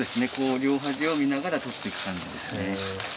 両端を見ながら採ってく感じですね。